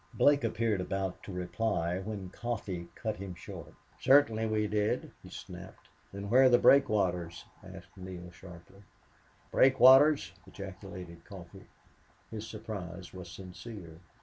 Blake appeared about to reply when Coffee cut him short "Certainly we did," he snapped. "Then where are the breakwaters?" asked Neale, sharply. "Breakwaters?" ejaculated Coffee. His surprise was sincere.